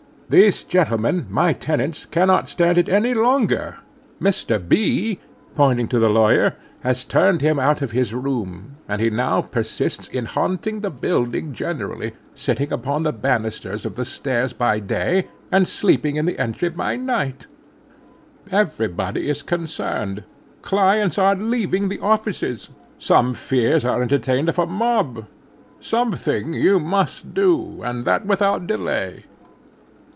"These gentlemen, my tenants, cannot stand it any longer; Mr. B—" pointing to the lawyer, "has turned him out of his room, and he now persists in haunting the building generally, sitting upon the banisters of the stairs by day, and sleeping in the entry by night. Every body is concerned; clients are leaving the offices; some fears are entertained of a mob; something you must do, and that without delay."